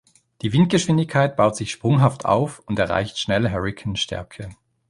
Die Windgeschwindigkeit baut sich sprunghaft auf und erreicht schnell Hurrikanstärke.